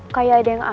kayak ada yang aneh